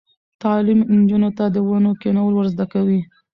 تعلیم نجونو ته د ونو کینول ور زده کوي.